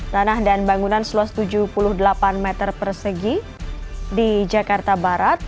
tanah dan bangunan seluas tujuh puluh delapan meter persegi di jakarta barat